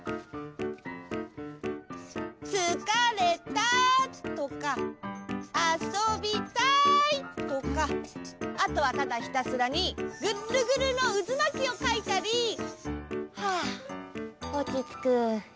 「つかれた」とか「あそびたい」とかあとはただひたすらにぐっるぐるのうずまきをかいたりはあおちつく。